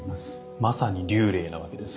まさに立礼なわけですね